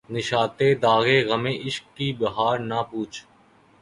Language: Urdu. نشاطِ داغِ غمِ عشق کی بہار نہ پُوچھ